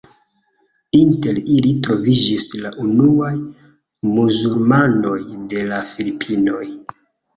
Inter ili troviĝis la unuaj muzulmanoj de la Filipinoj.